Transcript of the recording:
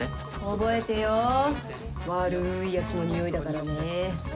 覚えてよ悪いやつのにおいだからね。